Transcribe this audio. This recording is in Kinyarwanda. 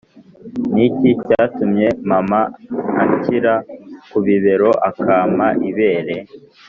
ni iki cyatumye mama anshyira ku bibero, akampa ibere’